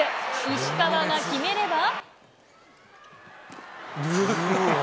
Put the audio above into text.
石川が決めれば。